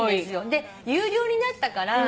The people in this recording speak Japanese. で有料になったから。